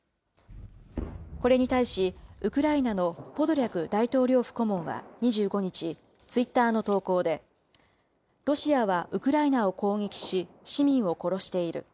これに対し、ウクライナのポドリャク大統領府顧問は２５日、ツイッターの投稿で、ロシアはウクライナを攻撃し、市民を殺している。